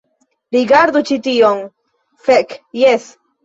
Rigardu ĉi tion. Fek, jes.